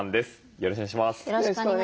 よろしくお願いします。